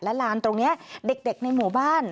และลานตรงนี้เด็กในหมู่บ้าน